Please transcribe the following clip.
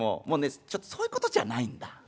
もうねちょっとそういうことじゃないんだ。